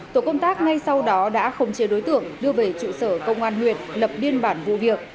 tổ công tác ngay sau đó đã không chìa đối tượng đưa về trụ sở công an huyện lập biên bản vụ việc